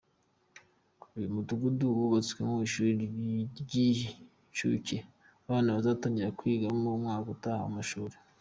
Uyu mudugudu wubatswemo ishuri ry’inshuke abana bazatangira kwigiramo mu mwaka utaha w’amashuri.